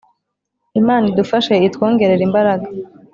Imana idufashe itwongerere imbaraga